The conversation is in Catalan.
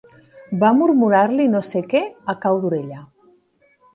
Va murmurar-li no sé què a cau d'orella.